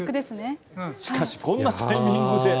しかしこんなタイミングで。